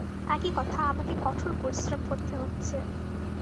একই কথা, আমাকে কঠোর পরিশ্রম করতে হচ্ছে।